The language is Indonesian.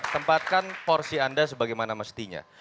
tempatkan porsi anda sebagaimana mestinya